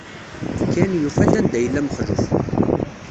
Ken yufa-d anda yella Mexluf.